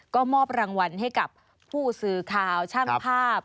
ก็มอบรางวัลให้กับผู้สื่อข่าวช่างภาพ